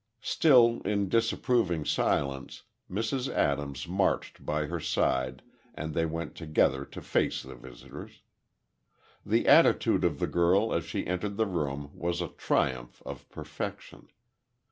Still in disapproving silence, Mrs. Adams marched by her side, and they went together to face the visitors. The attitude of the girl as she entered the room was a triumph of perfection.